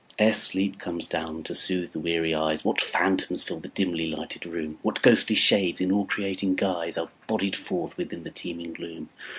Ere sleep comes down to soothe the weary eyes, What phantoms fill the dimly lighted room; What ghostly shades in awe creating guise Are bodied forth within the teeming gloom.